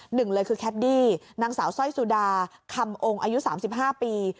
หนึ่งเลยคือแคดดี้นางสาวสร้อยสุดาคำองค์อายุ๓๕ปี